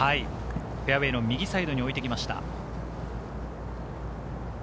フェアウエーの右サイドに置いていきました。